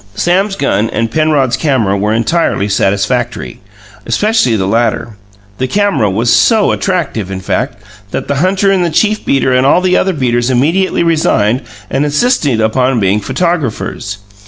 Sam's gun and Penrod's camera were entirely satisfactory, especially the latter. The camera was so attractive, in fact, that the hunter and the chief beater and all the other beaters immediately resigned and insisted upon being photographers.